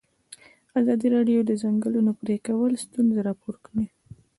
ازادي راډیو د د ځنګلونو پرېکول ستونزې راپور کړي.